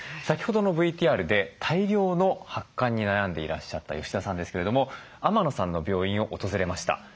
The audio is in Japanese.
先ほどのＶＴＲで大量の発汗に悩んでいらっしゃった吉田さんですけれども天野さんの病院を訪れました。